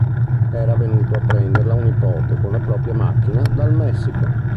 Era venuto a prenderla un nipote con la propria macchina, dal Messico.